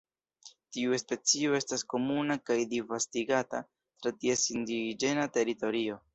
Tiu specio estas komuna kaj disvastigata tra ties indiĝena teritorio.